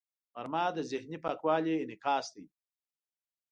غرمه د ذهني پاکوالي انعکاس دی